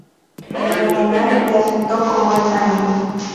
El Cardenal le aceptó con buen ánimo.